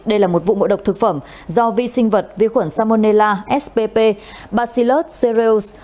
đây là một vụ ngộ độc thực phẩm do vi sinh vật vi khuẩn salmonella spp bacillus cereus